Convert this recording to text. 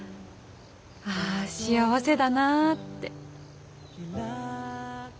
ああ幸せだなあって。